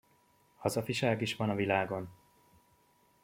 Hazafiság is van a világon!